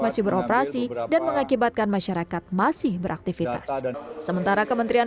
masih beroperasi dan mengakibatkan masyarakat masih beraktivitas sementara kementerian